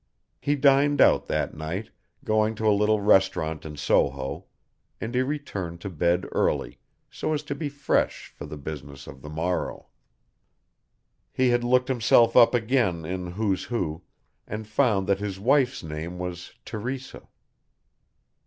He dined out that night, going to a little restaurant in Soho, and he returned to bed early, so as to be fresh for the business of the morrow. He had looked himself up again in "Who's Who," and found that his wife's name was Teresa.